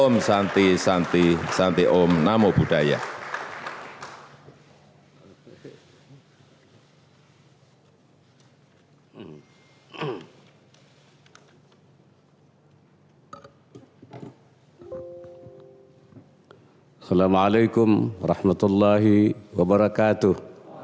waalaikumsalam warahmatullahi wabarakatuh